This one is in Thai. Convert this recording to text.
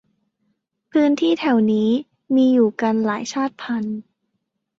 พื้นที่แถวนี้ มีอยู่กันหลายชาติพันธุ์